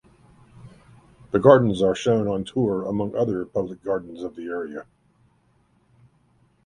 The gardens are shown on tours among other public gardens of the area.